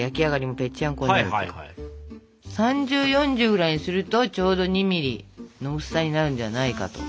３０４０ぐらいにするとちょうど２ｍｍの薄さになるんじゃないかと。